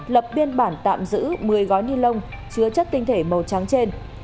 lập biên bản tạm giữ một mươi gói ni lông chứa chất tinh thể màu trắng trên